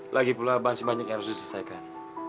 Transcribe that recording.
lagi pulang banyak yang harus diselesaikan